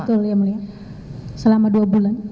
betul ya mulia selama dua bulan